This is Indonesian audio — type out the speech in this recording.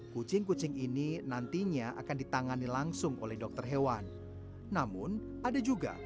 kucing kucing ini nantinya akan ditangani langsung oleh dokter hewan namun ada juga